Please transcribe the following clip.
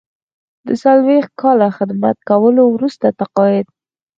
د څلویښت کاله خدمت کولو وروسته تقاعد.